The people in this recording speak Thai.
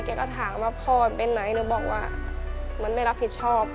ถามว่าพ่อเป็นไหนหนูบอกว่ามันไม่รับผิดชอบ